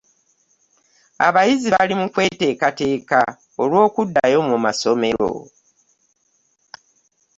Abayizi bali mu kweteekateeka olw'okuddayo mu masomero.